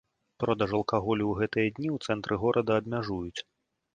Продаж алкаголю ў гэтыя дні ў цэнтры горада абмяжуюць.